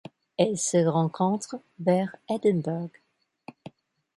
Elle se rencontre vers Edinburg.